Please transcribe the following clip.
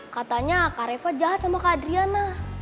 katanya kak reva jahat sama kak adriana